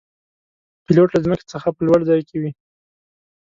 پیلوټ له ځمکې څخه په لوړ ځای کې وي.